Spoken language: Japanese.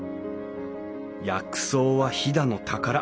薬草は飛騨の宝。